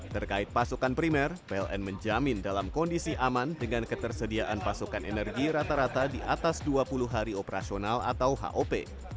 terkait pasokan primer pln menjamin dalam kondisi aman dengan ketersediaan pasokan energi rata rata di atas dua puluh hari operasional atau hop